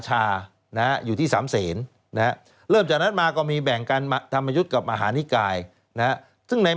ฮ่าฮ่าฮ่าฮ่าฮ่า